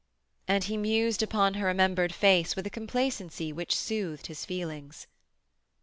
And he mused upon her remembered face with a complacency which soothed his feelings.